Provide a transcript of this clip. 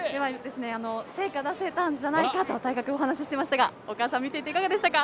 成果を出せたんじゃないかと、虎君はお話してましたがお母さん、いかがでしたか。